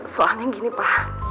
soalnya gini pa